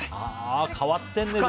変わってるね。